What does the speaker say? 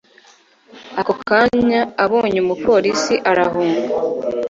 Ako kanya abonye umupolisi arahunga